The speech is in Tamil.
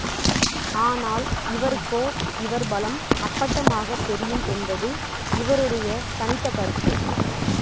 ஆனால் இவருக்கோ, இவர் பலம் அப்பட்டமாகத் தெரியும் என்பது இவருடைய தனித்த கருத்து.